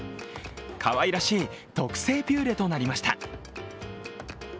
かわいらしい特製ピューレとなりました。